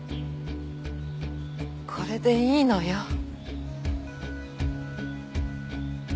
これでいいのよ。